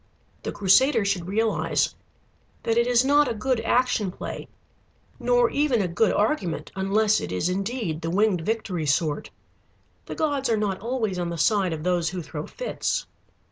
The crusader should realize that it is not a good Action Play nor even a good argument unless it is indeed the Winged Victory sort. The gods are not always on the side of those who throw fits.